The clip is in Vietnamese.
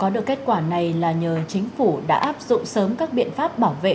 đã áp dụng sớm các biện pháp bảo vệ